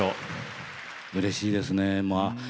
うれしいですね。